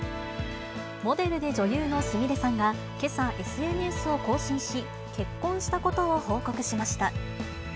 モデルで女優のすみれさんが、けさ、ＳＮＳを更新し、結婚したことを報告しました。